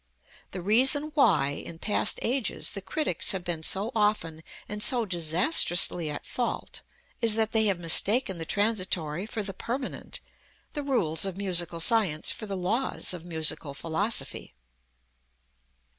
The reason why, in past ages, the critics have been so often and so disastrously at fault is that they have mistaken the transitory for the permanent, the rules of musical science for the laws of musical philosophy."